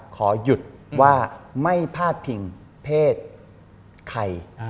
ขอหยุดว่าไม่พาดพิงเพศใคร